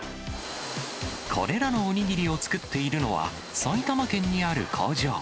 これらのお握りを作っているのは、埼玉県にある工場。